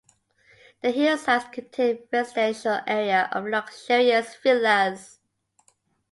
The hillsides contain a residential area of luxurious villas.